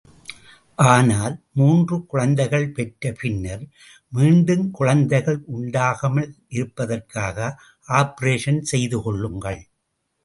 ஆனால் மூன்று குழந்தைகள் பெற்ற பின்னர் மீண்டும் குழந்தைகள் உண்டாகாமலிருப்பதற்காக ஆப்பரேஷனே செய்துகொள்ளுங்கள்.